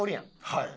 はい。